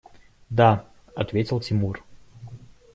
– Да, – ответил Тимур.